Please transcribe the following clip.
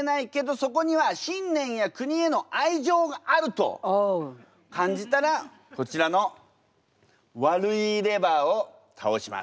そこには信念や国への愛情があると感じたらこちらの悪イイレバーをたおします。